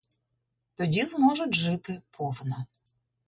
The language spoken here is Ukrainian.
Тоді зможуть жити повно.